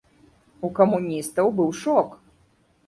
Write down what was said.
У камуністаў быў шок.